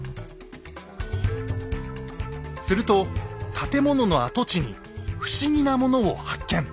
すると建物の跡地に不思議なものを発見。